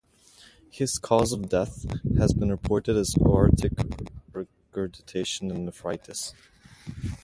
His cause of death has been reported as aortic regurgitation and nephritis.